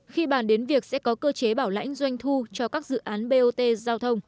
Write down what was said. khi bàn đến việc sẽ có cơ chế bảo lãnh doanh thu cho các dự án bot giao thông